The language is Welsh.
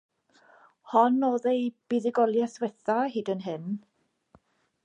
Hon oedd eu buddugoliaeth ddiwethaf hyd yn hyn.